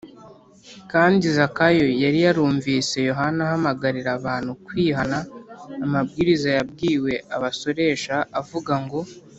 kandi zakayo yari yarumvise yohana ahamagarira abantu kwihana amabwiriza yabwiwe abasoresha avuga ngo